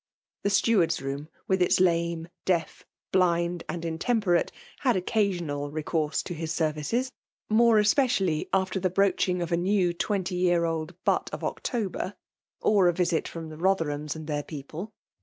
The steward*s room, with its hone, deaf, blind, and intemperate, had occaaioiial leeonrse to his services ; more especially after Ae broaching' of a new twenty years old butt ot October, or a visit from the Botherhams and their people.